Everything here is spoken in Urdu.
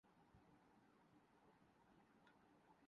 یہ وقت ہی بتائے گا۔